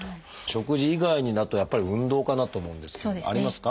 食事以外になるとやっぱり運動かなと思うんですけどありますか？